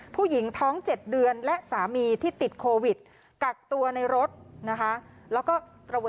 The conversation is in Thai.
ผู้หญิงท้อง๗เดือนและสามีที่ติดโควิดกักตัวในรถนะคะ